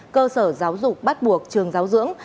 cơ sở giáo dục bắt buộc trường giáo dưỡng